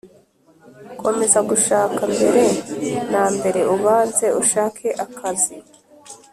Komeza gushaka mbere na mbere ubanze ushake akazi